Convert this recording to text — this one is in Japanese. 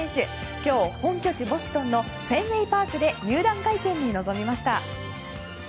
今日、本拠地ボストンのフェンウェイパークで入団会見に臨みました。